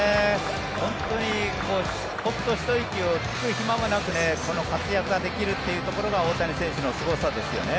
本当にホッとひと息をつく暇もなくこの活躍ができるというところが大谷選手のすごさですよね。